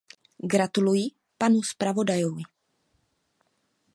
Gratuluji panu zpravodajovi.